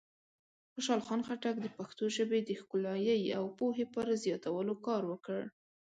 خوشحال خان خټک د پښتو ژبې د ښکلایۍ او پوهې پر زیاتولو کار وکړ.